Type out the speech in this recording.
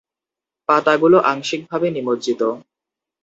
পাতাগুলো আংশিকভাবে নিমজ্জিত।